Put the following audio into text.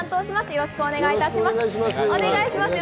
よろしくお願いします。